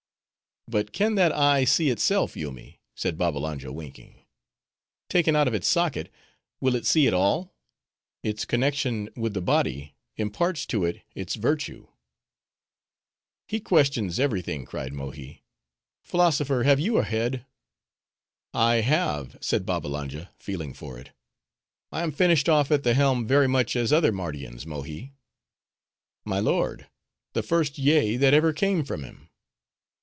"But can that eye see itself, Yoomy?" said Babbalanja, winking. "Taken out of its socket, will it see at all? Its connection with the body imparts to it its virtue." "He questions every thing," cried Mohi. "Philosopher, have you a head?" "I have," said Babbalanja, feeling for it; "I am finished off at the helm very much as other Mardians, Mohi." "My lord, the first yea that ever came from him."